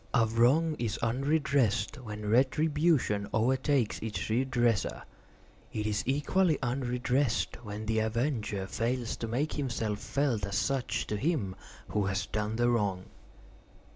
A wrong is unredressed when retribution overtakes its redresser. It is equally unredressed when the avenger fails to make himself felt as such to him who has done the wrong.